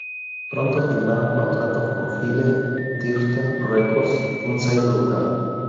Pronto firmaron contrato con File Thirteen Records, un sello local.